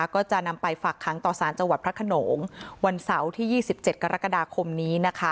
ก็จะนำไปฝากค้างต่อสารจังหวัดพระขนงวันเสาร์ที่๒๗กรกฎาคมนี้นะคะ